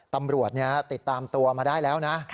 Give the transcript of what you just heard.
ตำรวจติดตามตัวมาได้แล้วนะ